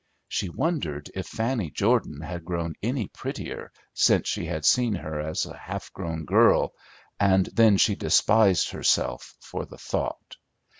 She wondered if Fanny Jordan had grown any prettier since she had seen her as a half grown girl, and then she despised herself for the thought.